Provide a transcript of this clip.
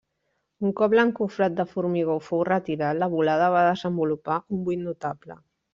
Un cop l'encofrat de formigó fou retirat, la volada va desenvolupar un buit notable.